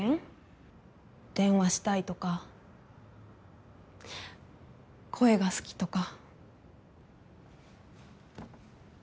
電話したいとか声が好きとか。